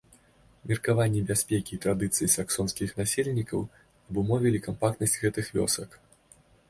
Меркаванні бяспекі і традыцыі саксонскіх насельнікаў абумовілі кампактнасць гэтых вёсак.